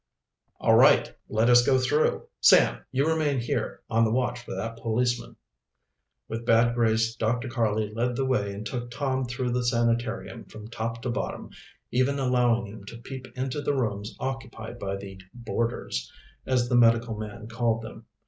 "All right; let us go through. Sam, you remain here, on the watch for that policeman." With bad grace Dr. Karley led the way and took Tom through the sanitarium from top to bottom, even allowing him to peep into the rooms occupied by the "boarders," as the medical man called them.